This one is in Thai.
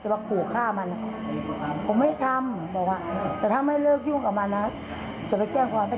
เสื่อมเสียชื่อเสียงก็เลยต้องไปแจ้งความเพราะว่ารับไม่ได้ที่อีกฝ่ายนึงมากระทำลูกสาวแม่อยู่ฝ่ายเดียวค่ะ